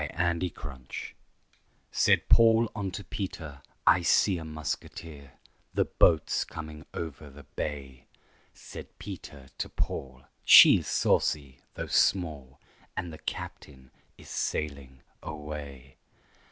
_ THE MUSQUITO Said Paul unto Peter, "I see a muskeeter, The boat's coming over the bay." Said Peter to Paul, "She is saucy, though small, And the captain is sailing away."